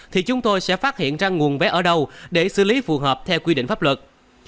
thì chúng tôi sẽ phát hiện ra nguồn vé ở đâu để xử lý phù hợp theo quy định pháp luật